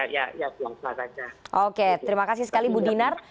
ya biar saja oke terima kasih sekali bu dinar